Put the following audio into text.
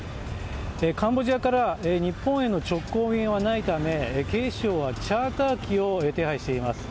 カンボジアから日本への直行便はないため警視庁はチャーター機を手配しています。